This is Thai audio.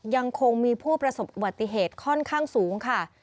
ยังคงมีผู้ประสบอุบัติเหตุค่อนข้างสูงค่ะ